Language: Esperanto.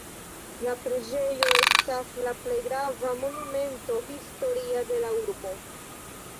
La preĝejo estas la plej grava Monumento historia de la urbo.